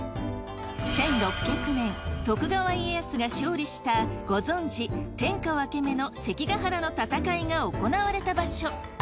１６００年徳川家康が勝利したご存じ天下分け目の関ヶ原の戦いが行われた場所。